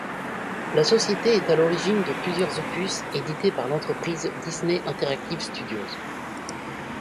La société est à l'origine de plusieurs opus édités par l'entreprise Disney Interactive Studios.